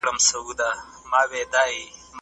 قوانین د شخصي حریم ساتنه کوي.